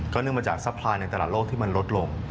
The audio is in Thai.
เนื่องมาจากซัพพลายในตลาดโลกที่มันลดลง